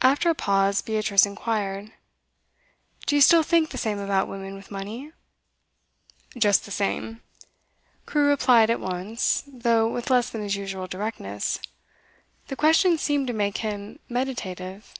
After a pause, Beatrice inquired: 'Do you still think the same about women with money?' 'Just the same,' Crewe replied at once, though with less than his usual directness; the question seemed to make him meditative.